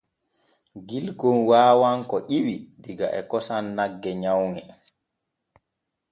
Gilkon waawan ko ƴiwi diga e kosam nagge nyawŋe.